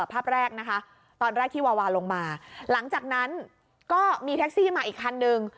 ภาพแรกนะคะตอนแรกที่วาวาลงมาหลังจากนั้นก็มีแท็กซี่มาอีกคันนึง